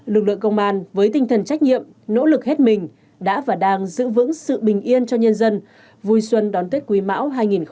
lực lượng công an với tinh thần trách nhiệm nỗ lực hết mình đã và đang giữ vững sự bình yên cho nhân dân vui xuân đón tết quý mão hai nghìn hai mươi